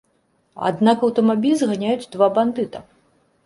Аднак аўтамабіль зганяюць два бандыта.